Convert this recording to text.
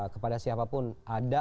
kepada siapapun ada